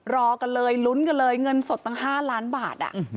รอกันเลยลุ้นกันเลยเงินสดตั้ง๕ล้านบาท